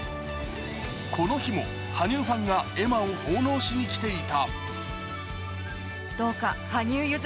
この日も羽生ファンが絵馬を奉納しに来ていた。